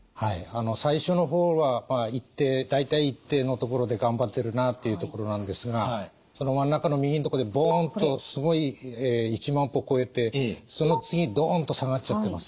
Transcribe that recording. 最初の方は大体一定のところで頑張ってるなというところなんですがその真ん中の右のところでボンとすごい１万歩超えてその次ドンと下がっちゃってます。